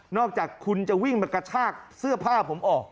จากคุณจะวิ่งมากระชากเสื้อผ้าผมออก